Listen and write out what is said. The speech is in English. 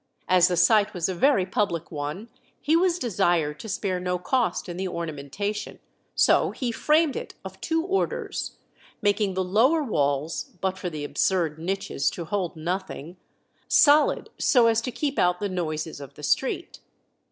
As the site was a very public one, he was desired to spare no cost in the ornamentation, so he framed it of two orders, making the lower walls (but for the absurd niches to hold nothing) solid, so as to keep out the noises of the street.